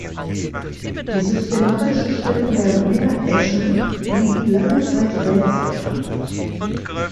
Die systematische Stellung der Meeräschen blieb lange Zeit rätselhaft.